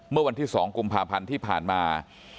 เมื่อวันที่๒กุมภาพันธ์ที่ผ่านมา